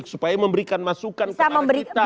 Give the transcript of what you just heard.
supaya memberikan masukan kepada kita